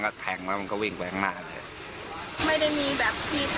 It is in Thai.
ไม่ได้มีแบบกีซ่าว่าจะทะเล๊ะหรือ